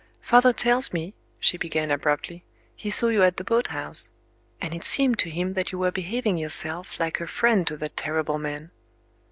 "Father tells me," she began abruptly, "he saw you at the boathouse. And it seemed to him, that you were behaving yourself like a friend to that terrible man."